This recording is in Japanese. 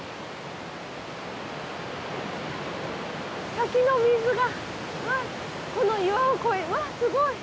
滝の水がこの岩を越えてうわすごい。